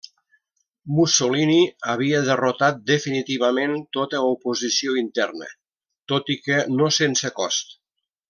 Mussolini havia derrotat definitivament tota oposició interna, tot i que no sense cost.